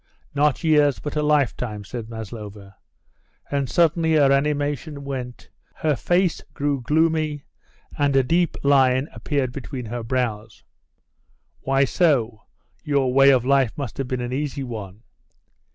"Not years, but a lifetime," said Maslova. And suddenly her animation went, her face grew gloomy, and a deep line appeared between her brows. "Why so? Your way of life must have been an easy one."